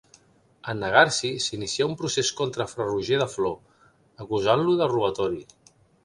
En negar-s'hi, s'inicià un procés contra Fra Roger de Flor acusant-lo de robatori.